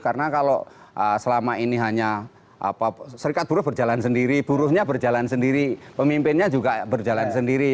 karena kalau selama ini hanya serikat buruh berjalan sendiri buruhnya berjalan sendiri pemimpinnya juga berjalan sendiri ya